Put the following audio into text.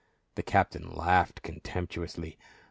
The captain laughed contemptuously.